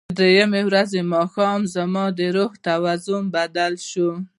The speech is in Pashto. د درېیمې ورځې ماښام زما د روح توازن بدل شو.